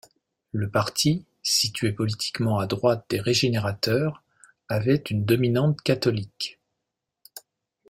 Le parti, situé politiquement à droite des Régénérateurs, avait une dominante catholique.